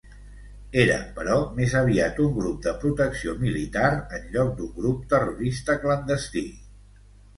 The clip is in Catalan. Era, però, més aviat un grup de protecció militar en lloc d'un grup terrorista clandestí.